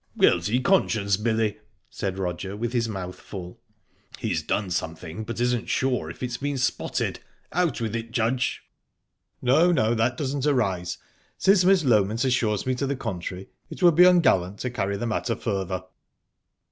"Guilty conscience, Billy," said Roger, with his mouth full. "He's done something, but isn't sure if it's been spotted. Out with it, Judge!" "No, no, that doesn't arise. Since Miss Loment assures me to the contrary, it would be ungallant to carry the matter further."